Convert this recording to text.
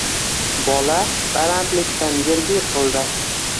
Bola balandlikdan yerga yiqildi.